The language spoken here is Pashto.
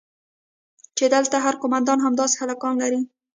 چې دلته هر قومندان همداسې هلکان لري.